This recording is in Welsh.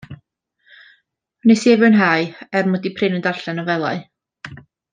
Wnes i ei fwynhau, er mod i prin yn darllen nofelau.